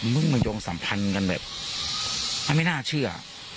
มาโยงสัมพันธ์กันแบบมันไม่น่าเชื่อ